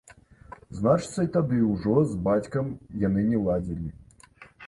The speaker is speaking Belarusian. Значыцца, і тады ўжо з бацькам яны не ладзілі.